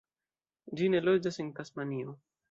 Ĝi ne loĝas en Tasmanio.